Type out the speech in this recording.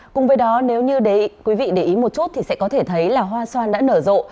cùng với đó nếu như quý vị để ý một chút thì sẽ có thể thấy là hoa xoan đã nở rộ